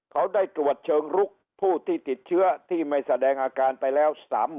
เขาได้ตรวจเชิงลุกผู้ที่ติดเชื้อที่ไม่แสดงอาการไปแล้ว